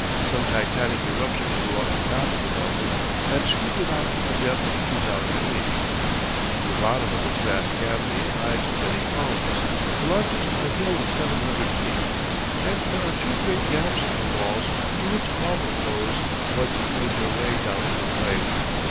Some titanic eruption blew off the top of the mountain and scooped it out to the depth of two thousand feet. From the bottom of this vast cavity rise many cones the largest a hill of seven hundred feet and there are two great gaps in the walls, through which lava flows once made their way down to the plain.